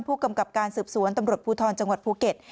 ผู้กำกับการสืบสวนตำรวจภูทรจังหวัดภูเก็ต